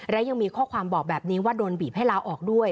และยังมีข้อความบอกแบบนี้ว่าโดนบีบให้ลาออกด้วย